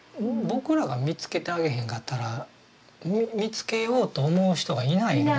僕らが見つけてあげへんかったら見つけようと思う人がいない。